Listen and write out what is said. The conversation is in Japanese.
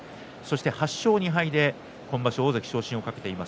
８勝２敗で大関昇進を懸けています